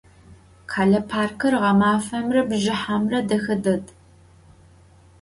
Khele parkır ğemafemre bjjıhemre dexe ded.